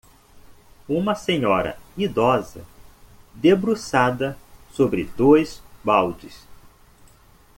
Uma senhora idosa debruçada sobre dois baldes.